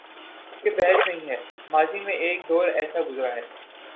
یہ بحث نئی نہیں، ماضی میں ایک دور ایسا گزرا ہے۔